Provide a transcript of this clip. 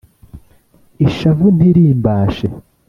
ishavu ntirimbashe